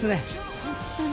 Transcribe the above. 本当に。